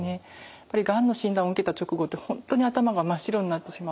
やはりがんの診断を受けた直後って本当に頭が真っ白になってしまう。